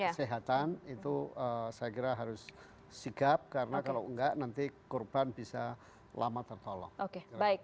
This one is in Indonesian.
kesehatan itu saya kira harus sigap karena kalau enggak nanti korban bisa lama tertolong oke baik